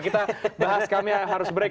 kita bahas kami harus break